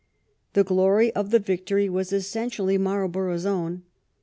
The glory of the victory was essentially Marlborough's own.